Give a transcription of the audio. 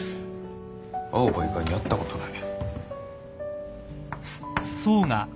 青羽以外に会ったことない。